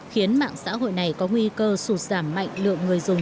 khiến mạng xã hội này có nguy cơ sụt giảm mạnh lượng người dùng